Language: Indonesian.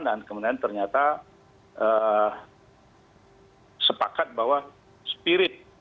dan kemudian ternyata sepakat bahwa spirit